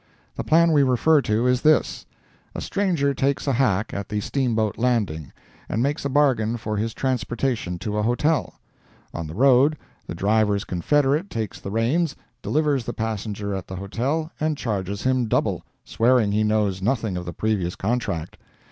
The plan we refer to is this: A stranger takes a hack at the steamboat landing, and makes a bargain for his transportation to a hotel; on the road, the driver's confederate takes the reins, delivers the passenger at the hotel, and charges him double, swearing he knows nothing of the previous contract.